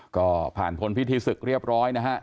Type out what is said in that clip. ก็ผ่านพ้นพิธีศึกเรียบร้อยนะฮะ